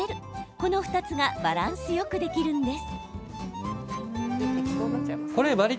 この２つがバランスよくできるんです。